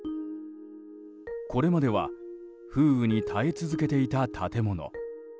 これまでは風雨に耐え続けていた建物。